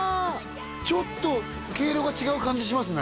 ちょっと毛色が違う感じしますね